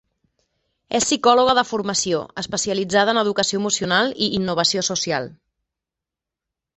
És psicòloga de formació, especialitzada en educació emocional i innovació social.